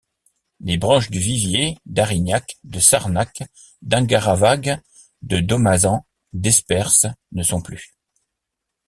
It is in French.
Les branches du Vivier, d'Arignac, de Sarnhac, d'Engarravagues, de Dauma-zan, d'Esperce ne sont plus.